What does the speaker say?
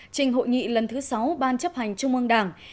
trình hội nghị lần thứ sáu ban chấp hành trung ương đảng